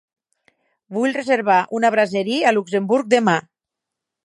Vull reservar una brasserie a Luxemburg demà.